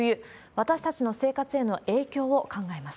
私たちの生活への影響を考えます。